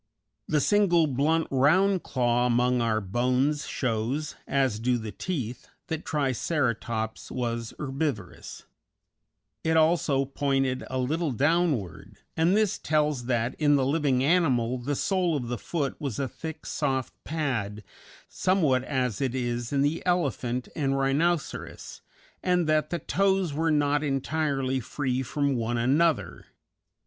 The single blunt round claw among our bones shows, as do the teeth, that Triceratops was herbivorous; it also pointed a little downward, and this tells that in the living animal the sole of the foot was a thick, soft pad, somewhat as it is in the elephant and rhinoceros, and that the toes were not entirely free from one another.